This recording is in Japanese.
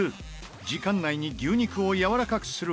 時間内に牛肉をやわらかくする事。